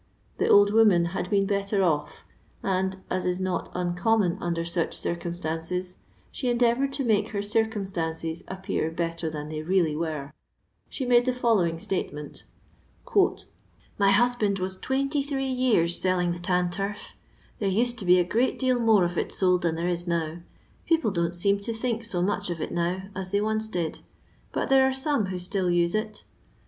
The old woman had been better off, and, as is not uncom mon under such circumstances, she endeavoured to make her circumstances appear better than they really were. She made the following state ment :— '*My husband was 23 years selling the tan turf. There used to be a great deal more of it sold than there is now ; people don't seem to think so much of it now, as they once did, but there are some who still use it.